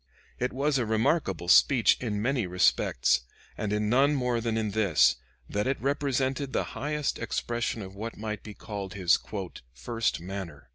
] It was a remarkable speech in many respects and in none more than in this, that it represented the highest expression of what might be called his "first manner."